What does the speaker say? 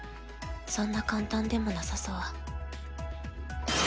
そんな簡単でもなさそう。